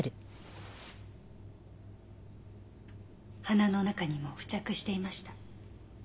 鼻の中にも付着していました。